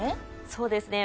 そうですね